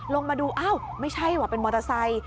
ลงมาดูอ้าวไม่ใช่ว่ะเป็นมอเตอร์ไซค์